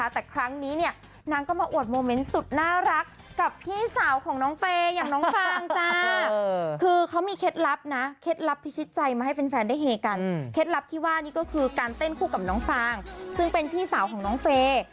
ที่ว่านี่ก็คือการเต้นคู่กับน้องควางซึ่งเป็นพี่สาวของน้องเฟย์